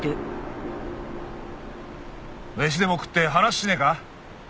飯でも食って話しねえか？